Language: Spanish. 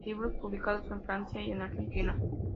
Libros publicados en Francia y en Argentina.